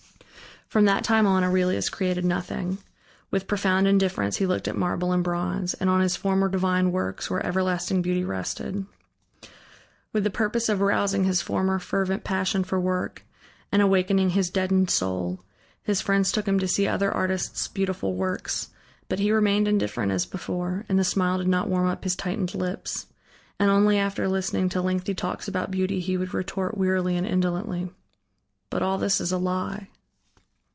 From that time on Aurelius created nothing. With profound indifference he looked at marble and bronze, and on his former divine works, where everlasting beauty rested. With the purpose of arousing his former fervent passion for work and, awakening his deadened soul, his friends took him to see other artists' beautiful works, but he remained indifferent as before, and the smile did not warm up his tightened lips. And only after listening to lengthy talks about beauty, he would retort wearily and indolently: "But all this is a lie."